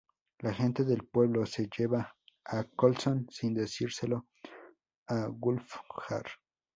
La gente del pueblo se lleva a Colson sin decírselo a Wulfgar.